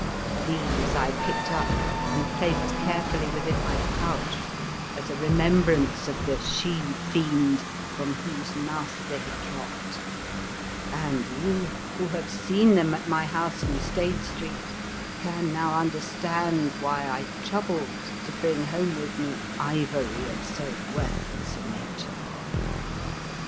These I picked up and placed carefully within my pouch as a remembrance of the She fiend from whose mouth they had dropt; and you, who have seen them at my house in Stade Street can now understand why I troubled to bring home with me ivory of so worth less a nature.